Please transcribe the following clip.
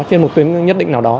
trên một tuyến nhất định nào đó